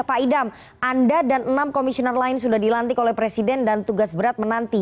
pak idam anda dan enam komisioner lain sudah dilantik oleh presiden dan tugas berat menanti